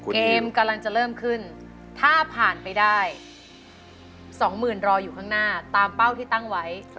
กำลังจะเริ่มขึ้นถ้าผ่านไปได้๒๐๐๐รออยู่ข้างหน้าตามเป้าที่ตั้งไว้